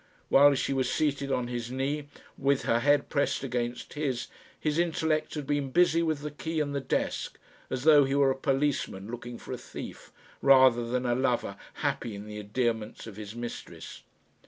While she was seated on his knee, with her head pressed against his, his intellect had been busy with the key and the desk, as though he were a policeman looking for a thief, rather than a lover happy in the endearments of his mistress.